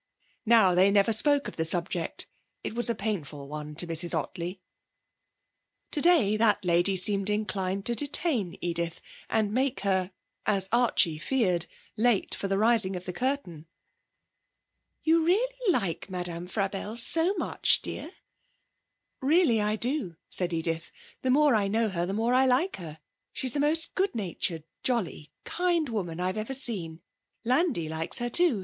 Now they never spoke of the subject. It was a painful one to Mrs Ottley. Today that lady seemed inclined to detain Edith, and make her as Archie feared late for the rising of the curtain. 'You really like Madame Frabelle so much, dear?' 'Really I do,' said Edith. 'The more I know her, the more I like her. She's the most good natured, jolly, kind woman I've ever seen. Landi likes her too.